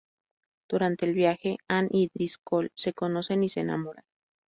Durante el viaje, Ann y Driscoll se conocen y se enamoran.